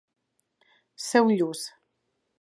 Ser un lluç.